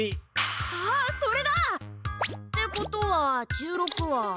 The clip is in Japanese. あっそれだ！ってことは１６は。